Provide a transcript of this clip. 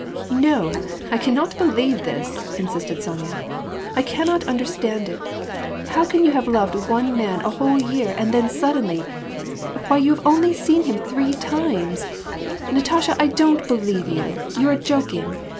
"No, I cannot believe this," insisted Sonya. "I cannot understand it. How can you have loved one man a whole year, and then suddenly — Why, you have only seen him three times I Natasha, I don't believe you. You are joking